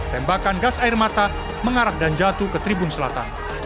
tembakan gas air mata mengarah dan jatuh ke tribun selatan